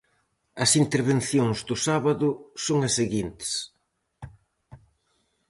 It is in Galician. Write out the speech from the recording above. As intervencións do sábado son as seguintes: